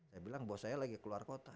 saya bilang bahwa saya lagi keluar kota